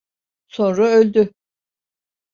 Sonra öldü.